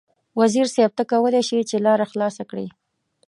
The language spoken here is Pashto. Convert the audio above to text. وزیر صیب ته کولای شې چې لاره خلاصه کړې.